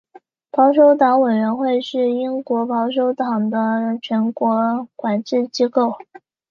保守党委员会是英国保守党的全国管制机构。